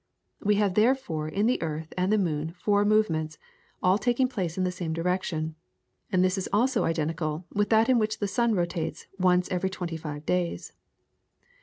We have therefore in the earth and moon four movements, all taking place in the same direction, and this is also identical with that in which the sun rotates once every twenty five days.